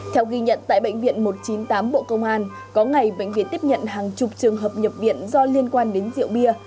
theo ghi nhận tại bệnh viện một trăm chín mươi tám bộ công an có ngày bệnh viện tiếp nhận hàng chục trường hợp nhập viện do liên quan đến rượu bia